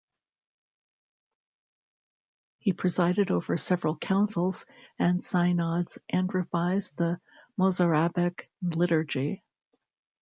He presided over several councils and synods and revised the Mozarabic liturgy.